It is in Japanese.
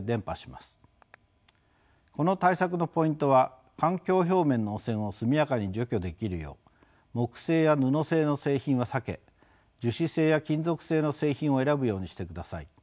この対策のポイントは環境表面の汚染を速やかに除去できるよう木製や布製の製品は避け樹脂製や金属製の製品を選ぶようにしてください。